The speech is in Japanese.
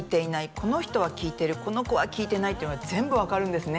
この人は聞いてるこの子は聞いてないっていうのが全部分かるんですね